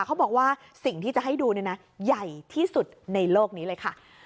เขาบอกว่าสิ่งที่จะให้ดูเนี่ยนะใหญ่ที่สุดในโลกนี้เลยค่ะ